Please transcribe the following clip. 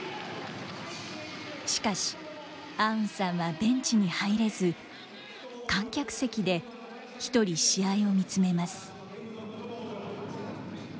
しかし、アウンさんはベンチに入れず、観客席で１人、試合を見つめます。